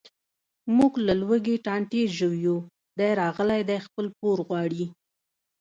موږ له لوږې ټانټې ژویو، دی راغلی دی خپل پور غواړي.